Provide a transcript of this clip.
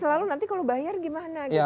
selalu nanti kalau bayar gimana gitu